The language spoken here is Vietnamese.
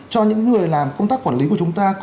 cho những người làm công tác quản lý của chúng ta